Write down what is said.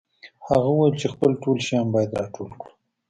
هغه وویل چې خپل ټول شیان باید راټول کړو